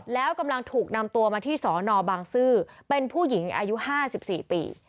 แล้วกำลังถูกนำตัวมาที่สนบางซื่อเป็นผู้หญิงอายุ๕๔ปี